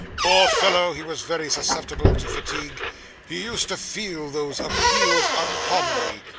Poor fellow; he was very susceptible to fatigue; he used to feel those appeals uncommonly.